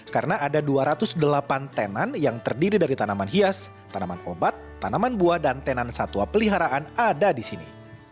karena ada dua ratus delapan tenan yang terdiri dari tanaman hias tanaman obat tanaman buah dan tenan satwa peliharaan ada di sini